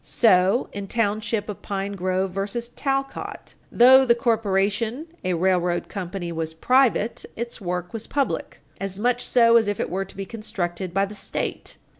So, in Township of Pine Grove v. Talcott, 19 Wall. 666, 86 U. S. 676: "Though the corporation [a railroad company] was private, its work was public, as much so as if it were to be constructed by the State."